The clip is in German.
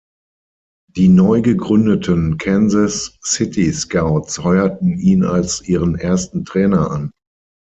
Die neu gegründeten Kansas City Scouts heuerten ihn als ihren ersten Trainer an.